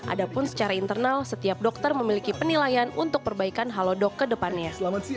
ada pun secara internal setiap dokter memiliki penilaian untuk perbaikan halodoc ke depannya